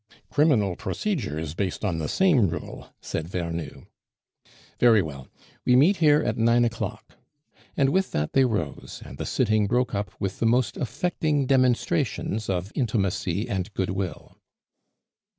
"Criminal procedure is based on the same rule," said Vernou. "Very well, we meet here at nine o'clock," and with that they rose, and the sitting broke up with the most affecting demonstrations of intimacy and good will.